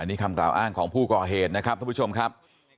อันนี้คำต่ออ้างของผู้ก่อเหตุนะครับทุกผู้ชมครับ